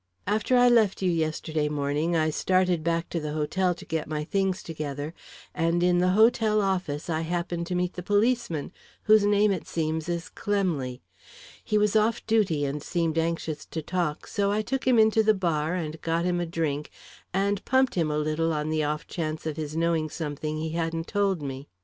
After I left you, yesterday morning, I started back to the hotel to get my things together, and in the hotel office I happened to meet the policeman, whose name, it seems, is Clemley. He was off duty and seemed anxious to talk, so I took him in to the bar, and got him a drink, and pumped him a little on the off chance of his knowing something he hadn't told me.